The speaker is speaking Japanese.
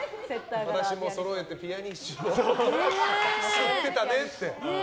銘柄をそろえてピアニッシモ吸ってたねって。